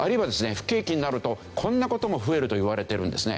不景気になるとこんな事も増えるといわれているんですね。